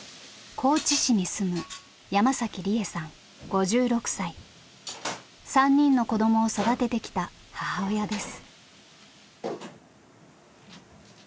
高知市に住む３人の子どもを育ててきた母親です。